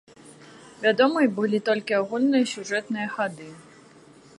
Вядомыя былі толькі агульныя сюжэтныя хады.